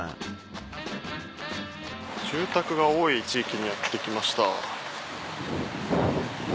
住宅が多い地域にやって来ました。